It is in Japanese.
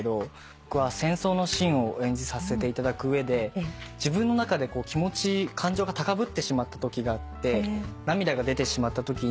僕は戦争のシーンを演じさせていただく上で自分の中で気持ち感情が高ぶってしまったときがあって涙が出てしまったときに